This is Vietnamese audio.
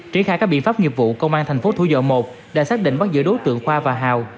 trí khả các biện pháp nghiệp vụ công an thành phố thủ dầu một đã xác định bắt giữa đối tượng khoa và hào